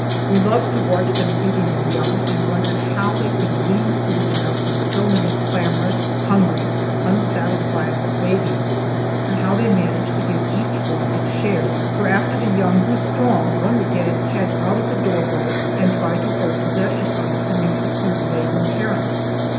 We loved to watch them feeding their young, and wondered how they could glean food enough for so many clamorous, hungry, unsatisfiable babies, and how they managed to give each one its share; for after the young grew strong, one would get his head out of the door hole and try to hold possession of it to meet the food laden parents.